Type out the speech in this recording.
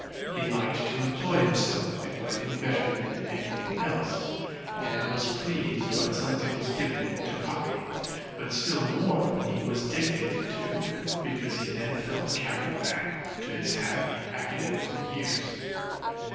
He liked to employ himself in writing better than in any thing else, and was pleased when something was given him to copy; but still more when he was dictated to, because he then felt carried back to his happy academical years.